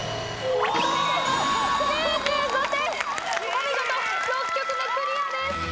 お見事６曲目クリアです。